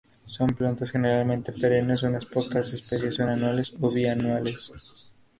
Son plantas generalmente perennes, unas pocas especies son anuales o bienales.